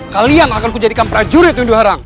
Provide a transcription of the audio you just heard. kalian akan ku jadikan prajurit yudha harang